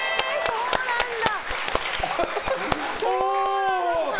そうなんだ！